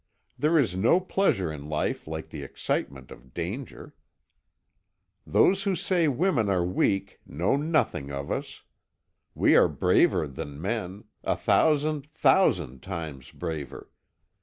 There is no pleasure in life like the excitement of danger. Those who say women are weak know nothing of us. We are braver than men, a thousand, thousand times braver.